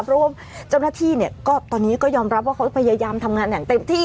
เพราะว่าเจ้าหน้าที่เนี่ยก็ตอนนี้ก็ยอมรับว่าเขาพยายามทำงานอย่างเต็มที่